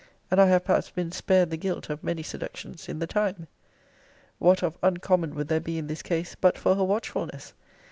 And I have perhaps been spared the guilt of many seductions in the time. What of uncommon would there be in this case, but for her watchfulness!